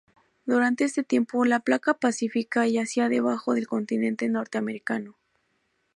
Durante este tiempo, la placa pacífica yacía debajo del continente norteamericano.